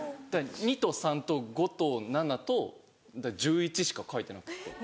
２と３と５と７と１１しか書いてなくて。